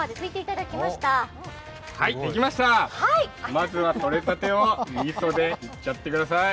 まずはとれたてをみそでいっちゃってください。